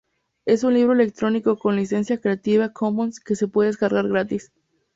Es un libro electrónico con licencia Creative Commons que se puede descargar gratis.